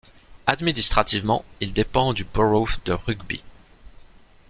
Administrativement, il dépend du borough de Rugby.